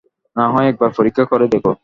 না হয় একবার পরীক্ষা করে দেখো।